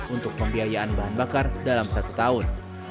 untuk pembiayaan bahan bakar dalam satu tahun